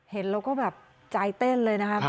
เห็นแล้วก็แบบใจเต้นเลยนะครับ